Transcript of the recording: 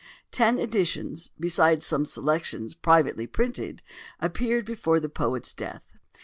Ten editions, besides some selections privately printed, appeared before the poet's death.